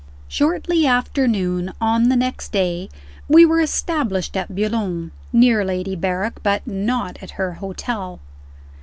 II. SHORTLY after noon, on the next day, we were established at Boulogne near Lady Berrick, but not at her hotel.